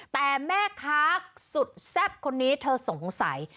แต่แม่ค้าสุดแซ่บคนนี้เธอสงสัย